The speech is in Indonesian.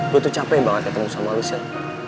lo tuh capek banget ketemu sama lo sil